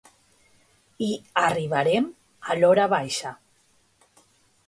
Hi arribarem a l'horabaixa.